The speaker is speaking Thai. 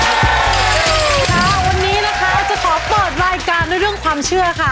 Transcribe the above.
ค่ะวันนี้นะคะจะขอเปิดรายการด้วยเรื่องความเชื่อค่ะ